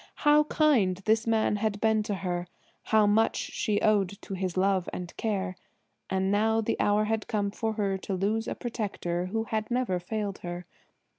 How kind this man had been to her; how much she owed to his love and care. And now the hour had come for her to lose a protector who had never failed her.